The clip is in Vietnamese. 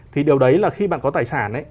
thì điều đấy là khi bạn có tài sản